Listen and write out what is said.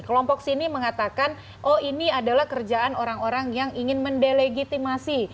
kelompok sini mengatakan oh ini adalah kerjaan orang orang yang ingin mendelegitimasi